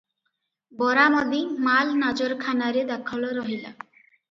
ବରାମଦି ମାଲ ନାଜରଖାନାରେ ଦାଖଲ ରହିଲା ।